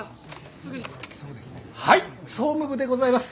はい総務部でございます。